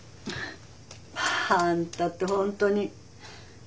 あんたって本当に。